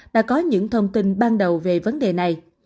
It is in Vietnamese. đã có những thông tin ban đầu về vấn đề này